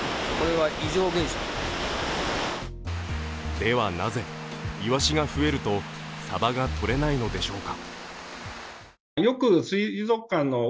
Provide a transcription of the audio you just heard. では、なぜイワシが増えるとサバがとれないのでしょうか。